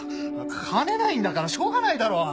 金ないんだからしょうがないだろ。